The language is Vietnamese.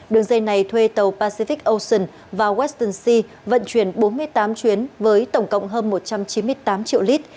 đường dây này thuê tàu pacific ocean vào western sea vận chuyển bốn mươi tám chuyến với tổng cộng hơn một trăm chín mươi tám triệu lít